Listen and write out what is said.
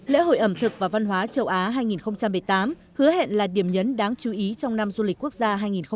lễ hội ẩm thực và văn hóa châu á hai nghìn một mươi tám hứa hẹn là điểm nhấn đáng chú ý trong năm du lịch quốc gia hai nghìn một mươi chín